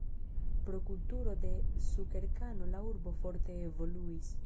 Pro kulturo de sukerkano la urbo forte evoluis.